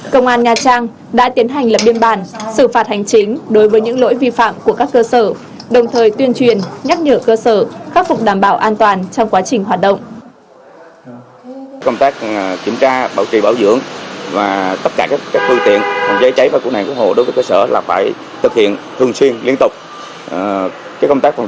công an nga trang đã tiến hành lập biên bản xử phạt hành chính đối với những lỗi vi phạm của các cơ sở đồng thời tuyên truyền nhắc nhở cơ sở khắc phục đảm bảo an toàn trong quá trình hoạt động